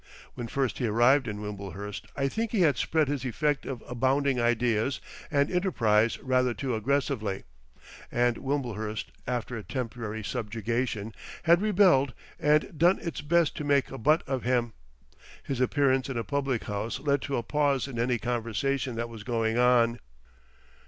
When first he arrived in Wimblehurst I think he had spread his effect of abounding ideas and enterprise rather too aggressively; and Wimblehurst, after a temporary subjugation, had rebelled and done its best to make a butt of him. His appearance in a public house led to a pause in any conversation that was going on.